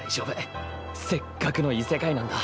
せっかくの異世界なんだ。